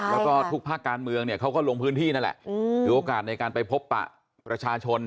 แล้วก็ทุกภาคการเมืองเนี่ยเขาก็ลงพื้นที่นั่นแหละถือโอกาสในการไปพบปะประชาชน